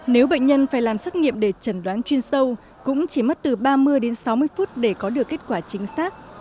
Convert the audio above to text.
nếu bệnh nhân phải làm xét nghiệm để chẩn đoán chuyên sâu cũng chỉ mất từ ba mươi đến sáu mươi phút để có được kết quả chính xác